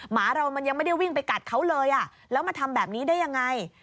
หมาเรามันยังไม่ได้วิ่งไปกัดเขาเลยแล้วมาทำแบบนี้ได้ยังไง